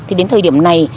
thì đến thời điểm này